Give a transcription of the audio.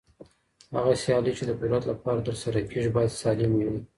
هغه سيالۍ چي د قدرت لپاره ترسره کېږي بايد سالمي وي.